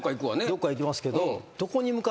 どっか行きますけど。